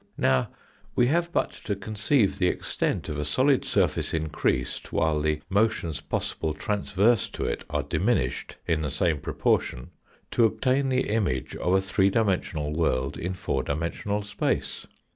Now we have but to conceive the extent of a solid surface increased, while the motions possible tranverse to it are diminished in the same proportion, to obtain the image of a three dimensional world in four dimensional space.